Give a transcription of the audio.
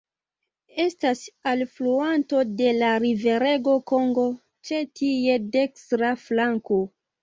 Estas alfluanto de la riverego Kongo ĉe ties dekstra flanko.